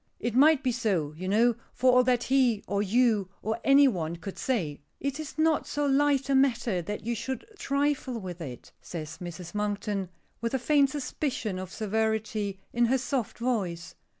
It might be so, you know, for all that he, or you, or any one could say." "It is not so light a matter that you should trifle with it," says Mrs. Monkton, with a faint suspicion of severity in her soft voice.